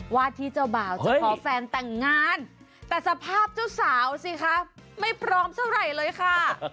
ว่าที่เจ้าบ่าวจะมีแฟนแต่งงานแต่สภาพเจ้าสาวสิคะไม่พร้อมเท่าไหร่เลยค่ะ